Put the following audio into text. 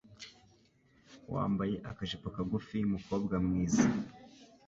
wambaye akajipo kagufi mukobwa mwiza